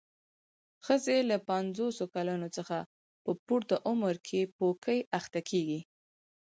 ښځې له پنځوسو کلونو څخه په پورته عمر کې پوکي اخته کېږي.